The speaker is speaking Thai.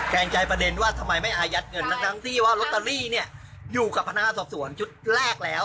แรงใจประเด็นว่าทำไมไม่อายัดเงินทั้งที่ว่าลอตเตอรี่เนี่ยอยู่กับพนักงานสอบสวนชุดแรกแล้ว